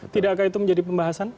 tidakkah itu menjadi pembahasan